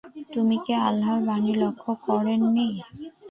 তুমি কি আল্লাহর বাণী লক্ষ্য করনি।